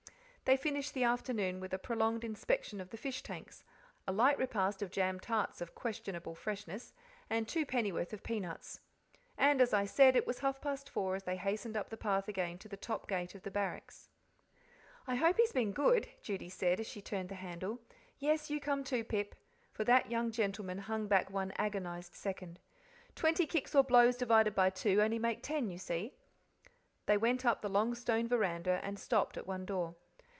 They finished the afternoon with a prolonged inspection of the fish tanks, a light repast of jam tarts of questionable freshness, and twopennyworth of peanuts. And, as I said, it was half past four as they hastened up the path again to the top gate of the Barracks. "I hope he's been good," Judy said, as she turned the handle. "Yes, you come, too, Pip" for that young gentleman hung back one agonized second. "Twenty kicks or blows divided by two only make ten, you see." They went up the long stone veranda and stopped at one door.